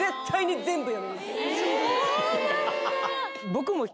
僕も。